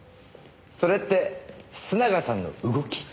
それって須永さんの動き？